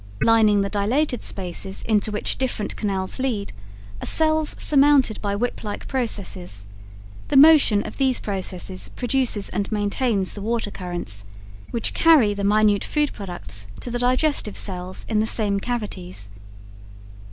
Lining the dilated spaces into which different canals lead are cells surmounted by whip like processes. The motion of these processes produces and maintains the water currents, which carry the minute food products to the digestive cells in the same cavities.